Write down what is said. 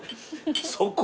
そこ？